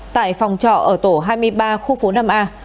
tại phòng trọ ở tổ hai mươi ba khu phố năm a